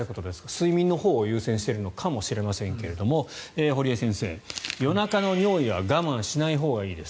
睡眠のほうを優先しているのかもしれませんが堀江先生、夜中の尿意は我慢しないほうがいいです。